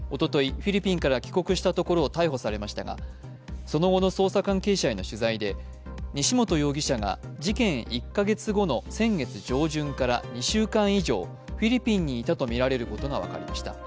フィリピンから帰国したところを逮捕されましたが、その後の捜査関係者への取材で西本容疑者が事件１か月後の先月上旬から２週間以上、フィリピンにいたとみられることが分かりました。